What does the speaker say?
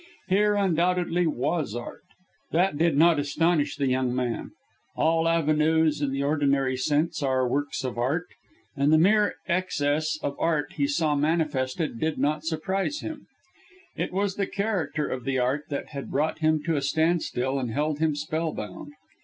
Here, undoubtedly, was art. That did not astonish the young man. All avenues, in the ordinary sense, are works of art; and the mere excess of art he saw manifested did not surprise him; it was the character of the art that had brought him to a standstill and held him spellbound.